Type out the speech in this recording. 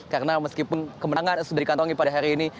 karena meskipun kemenangan sudah dikantongi pada hari ini